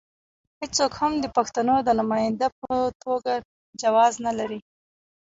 هېڅوک هم د پښتنو د نماینده په توګه جواز نه لري.